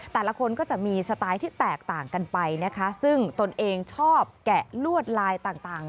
แต่ละคนก็จะมีสไตล์ที่แตกต่างกันไปนะคะซึ่งตนเองชอบแกะลวดลายต่างต่าง